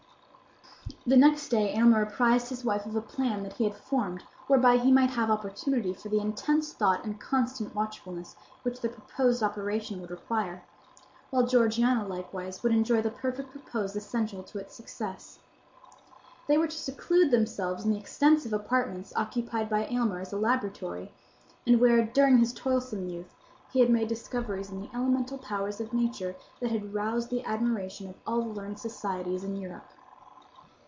The next day Aylmer apprised his wife of a plan that he had formed whereby he might have opportunity for the intense thought and constant watchfulness which the proposed operation would require; while Georgiana, likewise, would enjoy the perfect repose essential to its success. They were to seclude themselves in the extensive apartments occupied by Aylmer as a laboratory, and where, during his toilsome youth, he had made discoveries in the elemental powers of Nature that had roused the admiration of all the learned societies in Europe.